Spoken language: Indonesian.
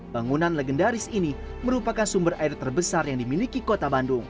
bangunan legendaris ini merupakan sumber air terbesar yang dimiliki kota bandung